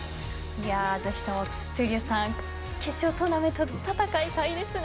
いや闘莉王さん決勝トーナメントで戦いたいですね。